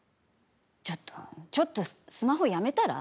ちょっとちょっとスマホやめたら？